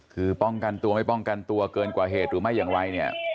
คือป้องกันตัวไม่ป้องกันตัวเกินกว่าเหตุหรือไม่อย่างไรเนี่ย